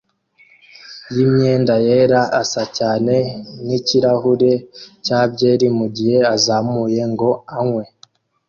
yimyenda yera asa cyane nikirahure cya byeri mugihe azamuye ngo anywe